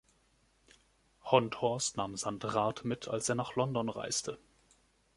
Honthorst nahm Sandrart mit, als er nach London reiste.